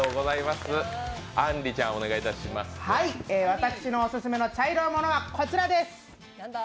私のオススメの茶色いものはこちらです。